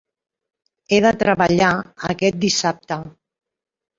He de treballar aquest dissabte.